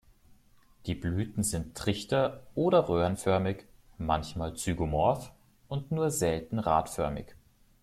Die Blüten sind trichter- oder röhrenförmig, manchmal zygomorph und nur selten radförmig.